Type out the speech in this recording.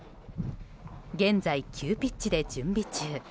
現在、急ピッチで準備中。